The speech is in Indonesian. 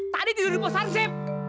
tadi tidur di posasi